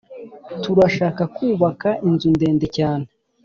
Turashaka kubaka inzu ndende cyane